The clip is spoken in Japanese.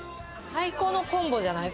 最高のコンボじゃない？